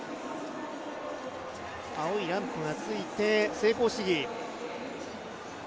青いランプがついて成功試技。